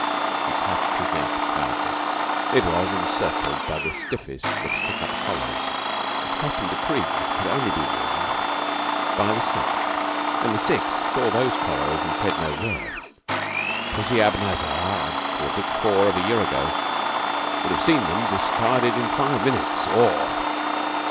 He touched his neck proudly. It was encircled by the stiffest of stick up collars, which custom decreed could be worn only by the Sixth. And the Sixth saw those collars and said no word. "Pussy," Abanazar, or Dick Four of a year ago would have seen them discarded in five minutes or...